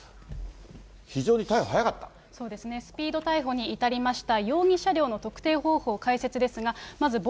非常に逮捕、そうですね、スピード逮捕にいたりました。